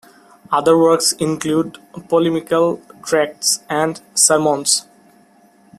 Other works include polemical tracts and sermons.